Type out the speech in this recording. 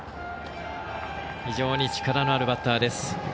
非常に力のあるバッターです。